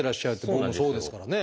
僕もそうですからね。